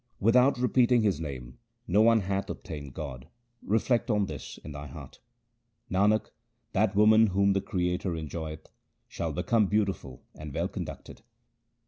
Without repeating His name no one hath obtained God ; reflect on this in thy heart. Nanak, that woman whom the Creator enjoyeth, shall become beautiful and well conducted.